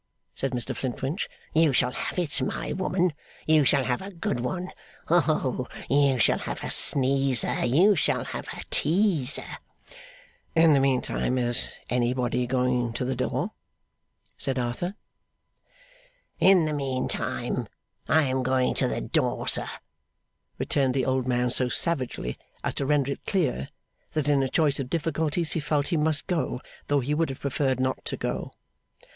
said Mr Flintwinch. 'You shall have it, my woman, you shall have a good one! Oh! You shall have a sneezer, you shall have a teaser!' 'In the meantime is anybody going to the door?' said Arthur. 'In the meantime, I am going to the door, sir,' returned the old man so savagely, as to render it clear that in a choice of difficulties he felt he must go, though he would have preferred not to go.